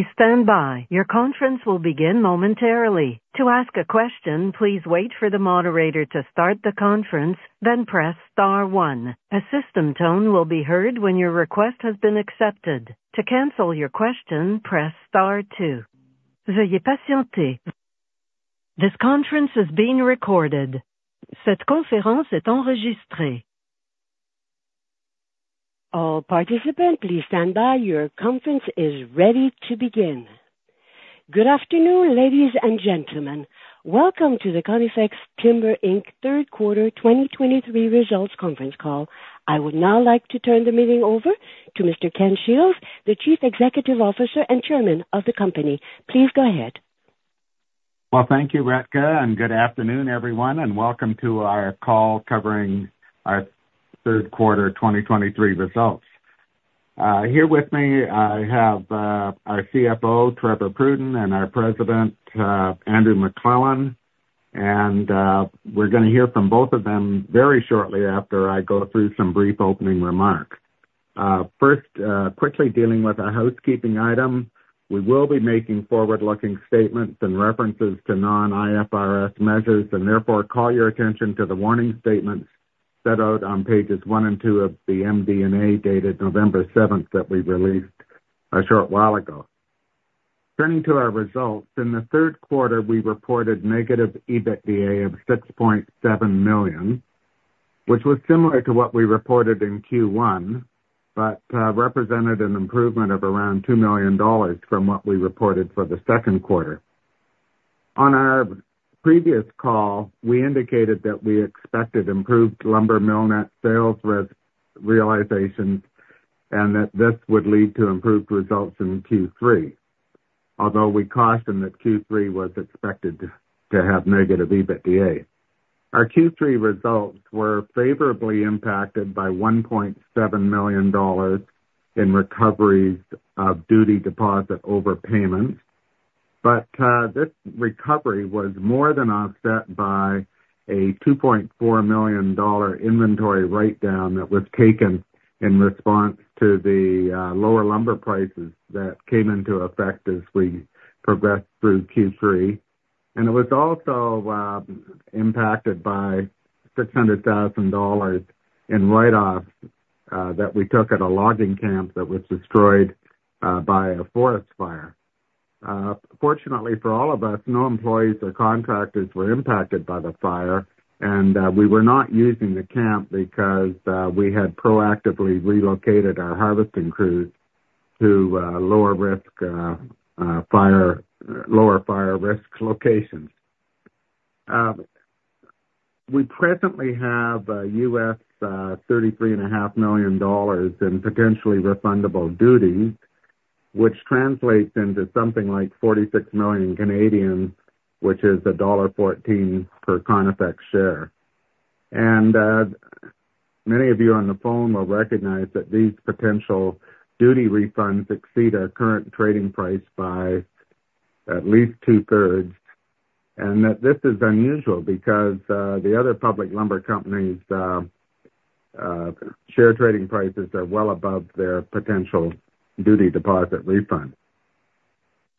Please stand by. Your conference will begin momentarily. To ask a question, please wait for the moderator to start the conference, then press star one. A system tone will be heard when your request has been accepted. To cancel your question, press star two. This conference is being recorded. All participants, please stand by. Your conference is ready to begin. Good afternoon, ladies and gentlemen. Welcome to the Conifex Timber Inc Q3 2023 results conference call. I would now like to turn the meeting over to Mr. Ken Shields, the Chief Executive Officer and Chairman of the company. Please go ahead. Well, thank you, Radka. Good afternoon, everyone, and welcome to our call covering our Q3 2023 results. Here with me, I have our CFO, Trevor Pruden, and our President, Andrew McLellan, and we're gonna hear from both of them very shortly after I go through some brief opening remarks. First, quickly dealing with a housekeeping item, we will be making forward-looking statements and references to non-IFRS measures, and therefore call your attention to the warning statements set out on pages one and two of the MD&A, dated November 7, that we released a short while ago. Turning to our results, in the Q3 we reported negative EBITDA of 6.7 million, which was similar to what we reported in Q1, but represented an improvement of around 2 million dollars from what we reported for the Q2. On our previous call, we indicated that we expected improved lumber mill net sales realization and that this would lead to improved results in Q3, although we cautioned that Q3 was expected to have negative EBITDA. Our Q3 results were favorably impacted by 1.7 million dollars in recoveries of duty deposit overpayments, but this recovery was more than offset by a 2.4 million dollar inventory write-down that was taken in response to the lower lumber prices that came into effect as we progressed through Q3. And it was also impacted by 600,000 dollars in write-offs that we took at a logging camp that was destroyed by a forest fire. Fortunately for all of us, no employees or contractors were impacted by the fire, and we were not using the camp because we had proactively relocated our harvesting crews to lower fire risk locations. We presently have $33.5 million in potentially refundable duties, which translates into something like 46 million, which is dollar 1.14 per Conifex share. Many of you on the phone will recognize that these potential duty refunds exceed our current trading price by at least two-thirds, and that this is unusual because the other public lumber companies share trading prices are well above their potential duty deposit refund.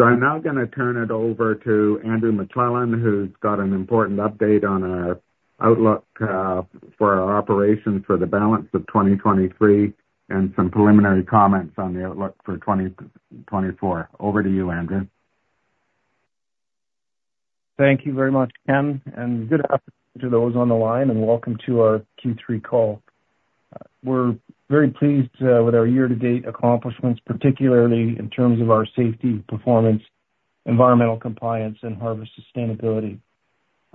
I'm now gonna turn it over to Andrew McLellan, who's got an important update on our outlook, for our operations for the balance of 2023 and some preliminary comments on the outlook for 2024. Over to you, Andrew. Thank you very much, Ken, and good afternoon to those on the line, and welcome to our Q3 call. We're very pleased with our year-to-date accomplishments, particularly in terms of our safety, performance, environmental compliance, and harvest sustainability.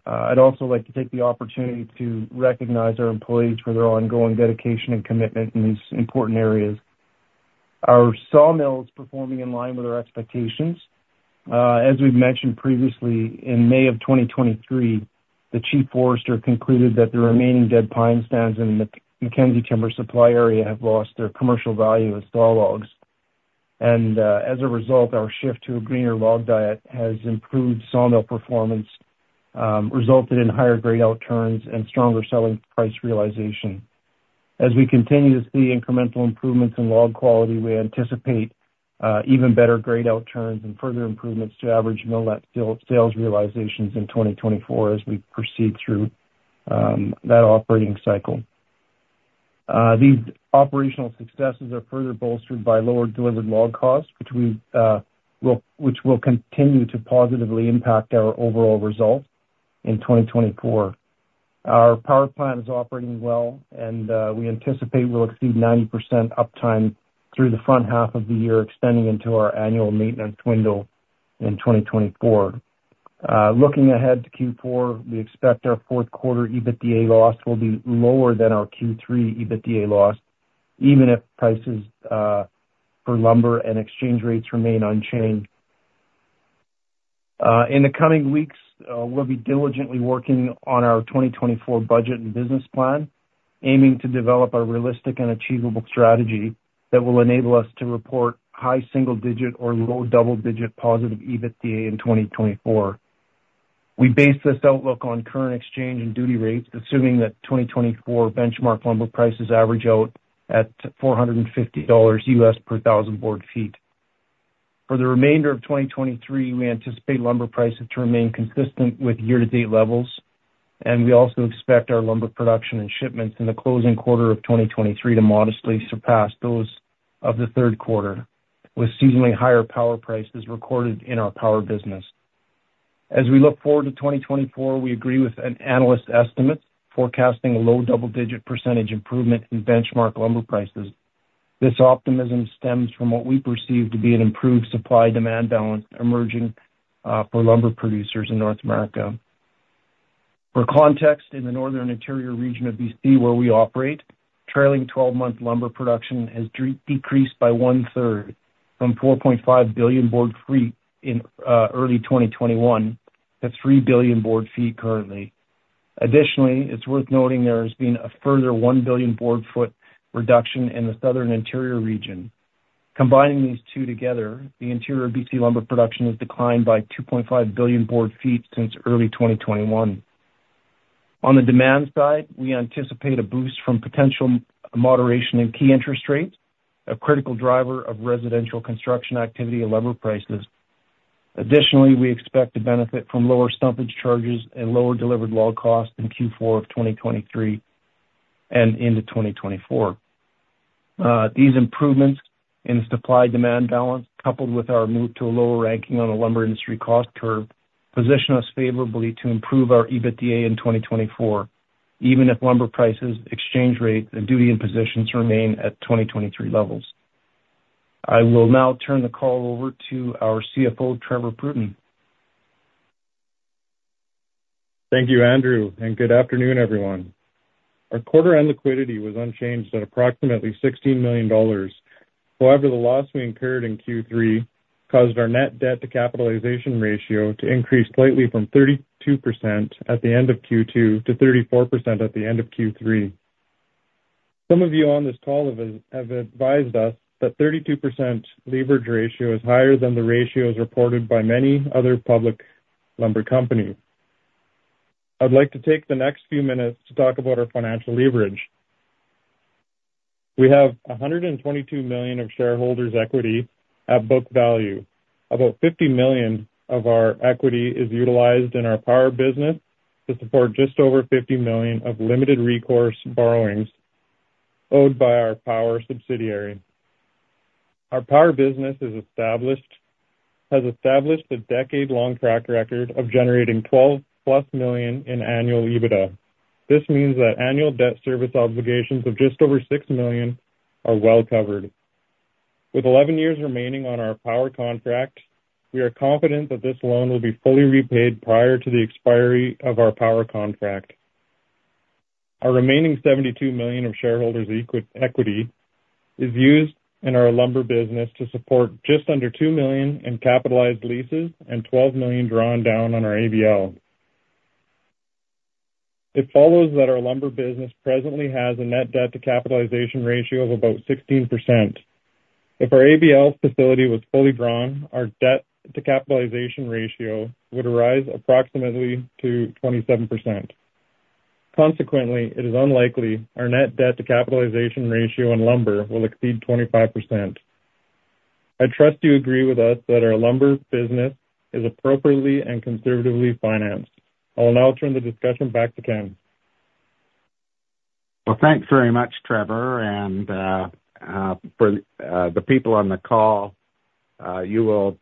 I'd also like to take the opportunity to recognize our employees for their ongoing dedication and commitment in these important areas. Our sawmill is performing in line with our expectations. As we've mentioned previously, in May of 2023, the Chief Forester concluded that the remaining dead pine stands in the Mackenzie Timber Supply Area have lost their commercial value as saw logs. As a result, our shift to a greener log diet has improved sawmill performance, resulted in higher grade outturns and stronger selling price realization. As we continue to see incremental improvements in log quality, we anticipate even better grade outturns and further improvements to average mill net sales realizations in 2024 as we proceed through that operating cycle. These operational successes are further bolstered by lower delivered log costs, which will continue to positively impact our overall results in 2024. Our power plant is operating well, and we anticipate we'll exceed 90% uptime through the front half of the year, extending into our annual maintenance window in 2024. Looking ahead to Q4, we expect our Q4 EBITDA loss will be lower than our Q3 EBITDA loss, even if prices for lumber and exchange rates remain unchanged. In the coming weeks, we'll be diligently working on our 2024 budget and business plan, aiming to develop a realistic and achievable strategy that will enable us to report high single-digit or low double-digit positive EBITDA in 2024. We base this outlook on current exchange and duty rates, assuming that 2024 benchmark lumber prices average out at $450 U.S. per thousand board feet. For the remainder of 2023, we anticipate lumber prices to remain consistent with year-to-date levels, and we also expect our lumber production and shipments in the closing quarter of 2023 to modestly surpass those of the Q3, with seasonally higher power prices recorded in our power business. As we look forward to 2024, we agree with an analyst estimate forecasting a low double-digit percentage improvement in benchmark lumber prices. This optimism stems from what we perceive to be an improved supply-demand balance emerging for lumber producers in North America. For context, in the Northern Interior region of BC, where we operate, trailing twelve-month lumber production has decreased by one-third from 4.5 billion board feet in early 2021 to 3 billion board feet currently. Additionally, it's worth noting there has been a further 1 billion board foot reduction in the Southern Interior region. Combining these two together, the Interior BC lumber production has declined by 2.5 billion board feet since early 2021. On the demand side, we anticipate a boost from potential moderation in key interest rates, a critical driver of residential construction activity and lumber prices. Additionally, we expect to benefit from lower stumpage charges and lower delivered log costs in Q4 of 2023 and into 2024. These improvements in the supply-demand balance, coupled with our move to a lower ranking on the lumber industry cost curve, position us favorably to improve our EBITDA in 2024, even if lumber prices, exchange rate, and duty impositions remain at 2023 levels. I will now turn the call over to our CFO, Trevor Pruden. Thank you, Andrew, and good afternoon, everyone. Our quarter-end liquidity was unchanged at approximately 16 million dollars. However, the loss we incurred in Q3 caused our net debt to capitalization ratio to increase slightly from 32% at the end of Q2 to 34% at the end of Q3. Some of you on this call have advised us that 32% leverage ratio is higher than the ratios reported by many other public lumber companies. I'd like to take the next few minutes to talk about our financial leverage. We have 122 million of shareholders' equity at book value. About 50 million of our equity is utilized in our power business to support just over 50 million of limited recourse borrowings owed by our power subsidiary. Our power business has established a decade-long track record of generating 12+ million in annual EBITDA. This means that annual debt service obligations of just over 6 million are well covered. With 11 years remaining on our power contract, we are confident that this loan will be fully repaid prior to the expiry of our power contract. Our remaining 72 million of shareholders' equity, equity is used in our lumber business to support just under 2 million in capitalized leases and 12 million drawn down on our ABL. It follows that our lumber business presently has a net debt to capitalization ratio of about 16%. If our ABL facility was fully drawn, our debt to capitalization ratio would rise approximately to 27%. Consequently, it is unlikely our net debt to capitalization ratio in lumber will exceed 25%. I trust you agree with us that our lumber business is appropriately and conservatively financed. I will now turn the discussion back to Ken. Well, thanks very much, Trevor, and for the people on the call, you will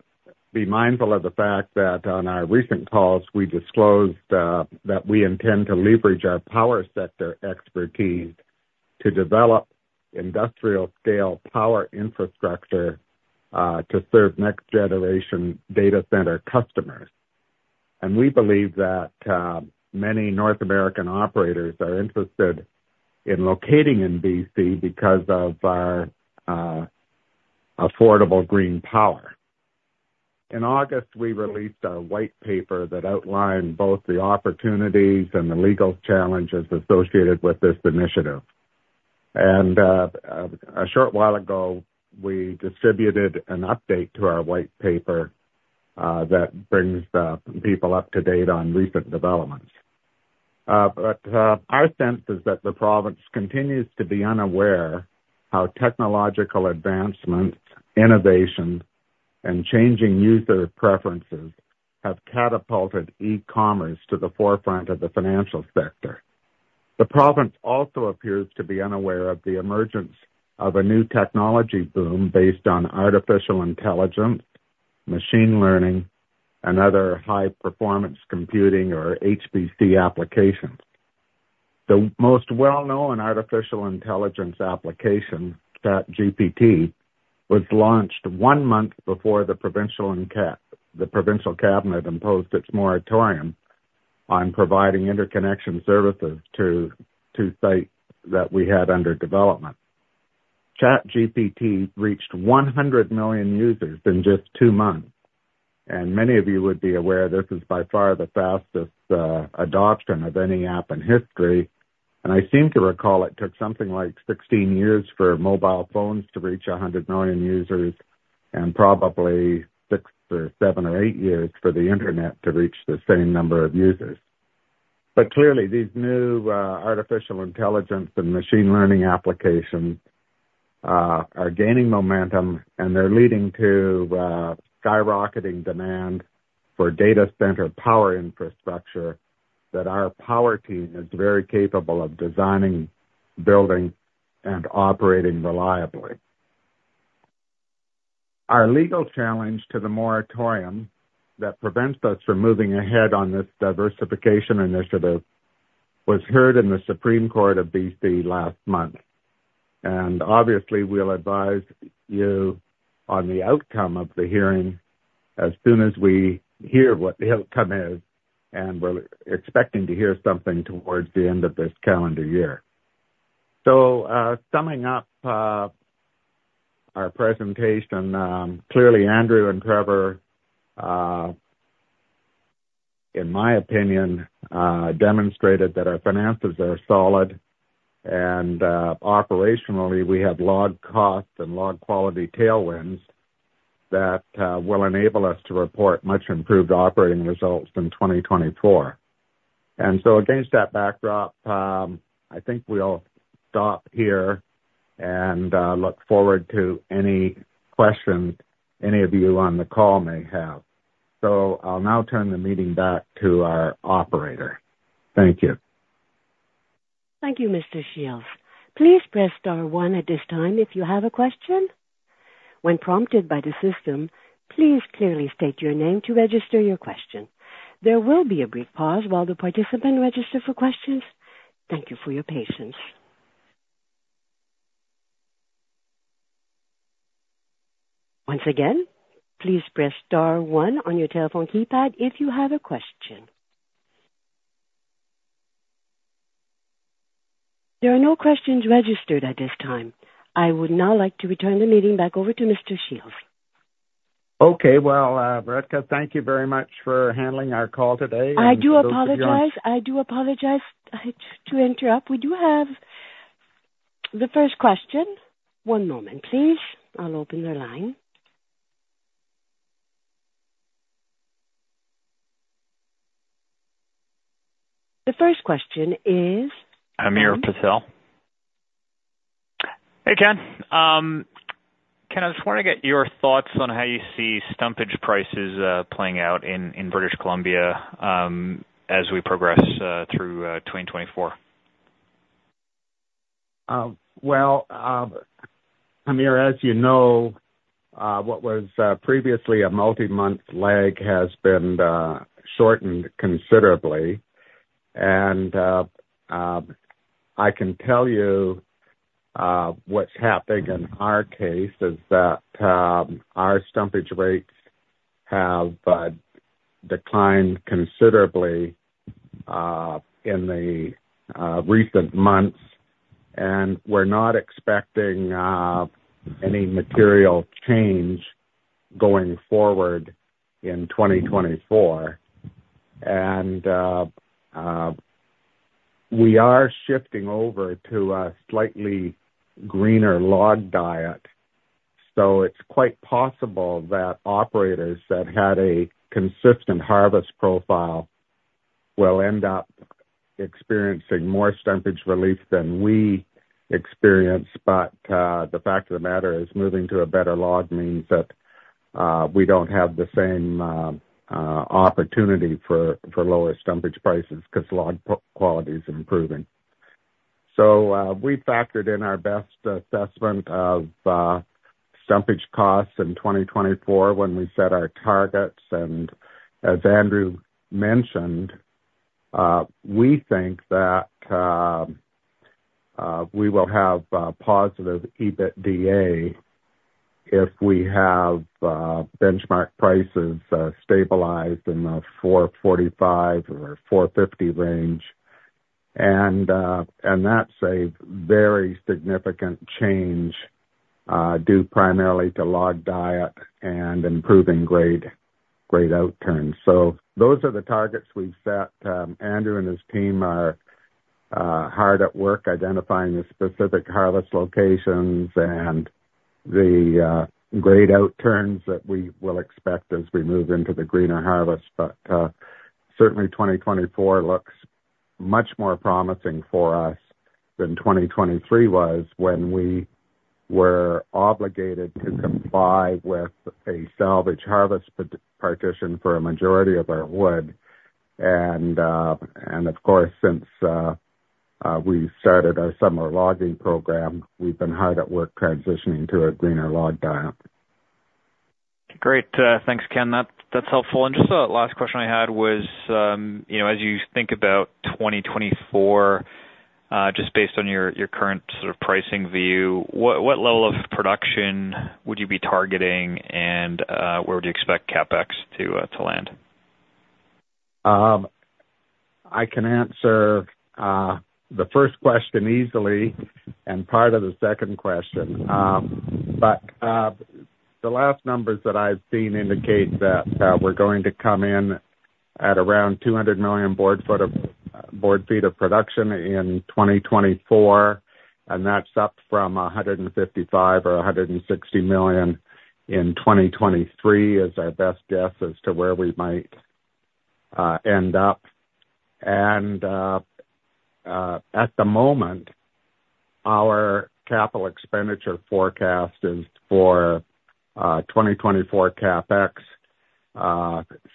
be mindful of the fact that on our recent calls, we disclosed that we intend to leverage our power sector expertise to develop industrial-scale power infrastructure to serve next-generation data center customers. We believe that many North American operators are interested in locating in BC because of our affordable green power. In August, we released a white paper that outlined both the opportunities and the legal challenges associated with this initiative. A short while ago, we distributed an update to our white paper that brings people up to date on recent developments. But, our sense is that the province continues to be unaware of how technological advancements, innovation, and changing user preferences have catapulted e-commerce to the forefront of the financial sector. The province also appears to be unaware of the emergence of a new technology boom based on artificial intelligence, machine learning, and other high-performance computing, or HPC, applications. The most well-known artificial intelligence application, ChatGPT, was launched one month before the provincial cabinet imposed its moratorium on providing interconnection services to sites that we had under development. ChatGPT reached 100 million users in just two months, and many of you would be aware this is by far the fastest adoption of any app in history. And I seem to recall it took something like 16 years for mobile phones to reach 100 million users, and probably six or seven or eight years for the internet to reach the same number of users. But clearly, these new, artificial intelligence and machine learning applications, are gaining momentum, and they're leading to, skyrocketing demand for data center power infrastructure that our power team is very capable of designing, building, and operating reliably. Our legal challenge to the moratorium that prevents us from moving ahead on this diversification initiative was heard in the Supreme Court of BC last month, and obviously, we'll advise you on the outcome of the hearing as soon as we hear what the outcome is, and we're expecting to hear something towards the end of this calendar year. So, summing up our presentation, clearly Andrew and Trevor, in my opinion, demonstrated that our finances are solid and, operationally, we have log costs and log quality tailwinds that will enable us to report much improved operating results in 2024. And so against that backdrop, I think we'll stop here and look forward to any questions any of you on the call may have. So I'll now turn the meeting back to our operator. Thank you. Thank you, Mr. Shields. Please press star one at this time if you have a question. When prompted by the system, please clearly state your name to register your question. There will be a brief pause while the participant register for questions. Thank you for your patience. Once again, please press star one on your telephone keypad if you have a question. There are no questions registered at this time. I would now like to return the meeting back over to Mr. Shields. Okay, well, Radka, thank you very much for handling our call today. I do apologize. I do apologize to interrupt. We do have the first question. One moment, please. I'll open the line. The first question is. Hamir Patel. Hey, Ken. Ken, I just want to get your thoughts on how you see stumpage prices playing out in British Columbia as we progress through 2024. Well, Hamir, as you know, what was previously a multi-month lag has been shortened considerably. And we can tell you what's happening in our case is that our stumpage rates have declined considerably in the recent months, and we're not expecting any material change going forward in 2024. And we are shifting over to a slightly greener log diet. So it's quite possible that operators that had a consistent harvest profile will end up experiencing more stumpage relief than we experienced. But the fact of the matter is, moving to a better log means that we don't have the same opportunity for lower stumpage prices because log quality is improving. So, we factored in our best assessment of stumpage costs in 2024 when we set our targets. And as Andrew mentioned, we think that we will have positive EBITDA if we have benchmark prices stabilized in the $445 or $450 range. And that's a very significant change due primarily to log diet and improving grade outturns. So those are the targets we've set. Andrew and his team are hard at work identifying the specific harvest locations and the grade outturns that we will expect as we move into the greener harvest. But certainly 2024 looks much more promising for us than 2023 was when we were obligated to comply with a salvage harvest partition for a majority of our wood. And of course, since we started our summer logging program, we've been hard at work transitioning to a greener log diet. Great. Thanks, Ken. That, that's helpful. And just a last question I had was, you know, as you think about 2024, just based on your, your current sort of pricing view, what, what level of production would you be targeting, and, where would you expect CapEx to, to land? I can answer the first question easily and part of the second question. But the last numbers that I've seen indicate that we're going to come in at around 200 million board feet of production in 2024, and that's up from 155 or 160 million in 2023, is our best guess as to where we might end up. And at the moment, our capital expenditure forecast is for 2024 CapEx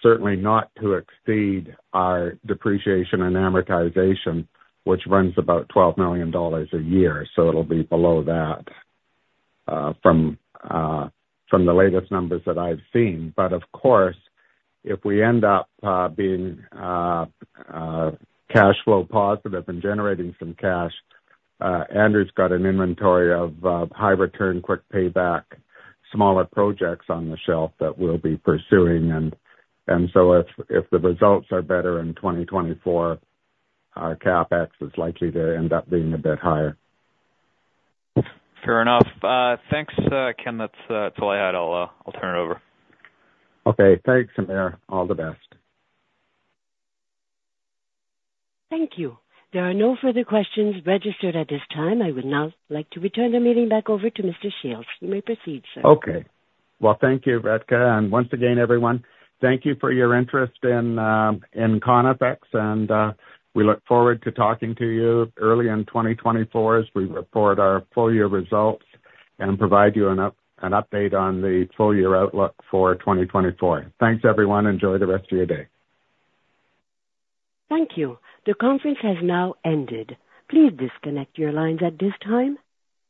certainly not to exceed our depreciation and amortization, which runs about 12 million dollars a year. So it'll be below that, from the latest numbers that I've seen. But of course, if we end up being cash flow positive and generating some cash, Andrew's got an inventory of high return, quick payback, smaller projects on the shelf that we'll be pursuing. And so if the results are better in 2024, our CapEx is likely to end up being a bit higher. Fair enough. Thanks, Ken. That's all I had. I'll turn it over. Okay. Thanks, Hamir. All the best. Thank you. There are no further questions registered at this time. I would now like to return the meeting back over to Mr. Shields. You may proceed, sir. Okay. Well, thank you, Radka, and once again, everyone, thank you for your interest in Conifex. We look forward to talking to you early in 2024 as we report our full year results and provide you an update on the full year outlook for 2024. Thanks, everyone, and enjoy the rest of your day. Thank you. The conference has now ended. Please disconnect your lines at this time.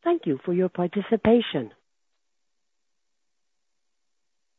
Thank you for your participation.